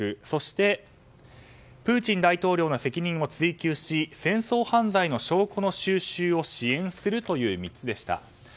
そして、プーチン大統領の責任を追及し戦争犯罪の証拠の収集を支援するという３つでした。